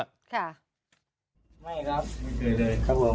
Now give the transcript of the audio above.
ไม่ครับไม่เคยเลยครับผม